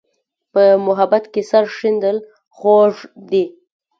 په محبت کې سر شیندل خوږ دي.